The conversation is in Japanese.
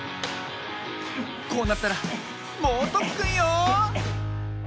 こうなったらもうとっくんよ！